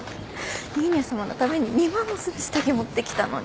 ニーニャさまのために２万もする下着持ってきたのに。